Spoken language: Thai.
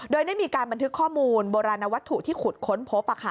โดยได้มีการบันทึกข้อมูลโบราณวัตถุที่ขุดค้นพบ